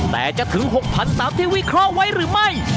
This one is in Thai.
แต่จะถึง๖๐๐๐ตามที่วิเคราะห์ไว้หรือไม่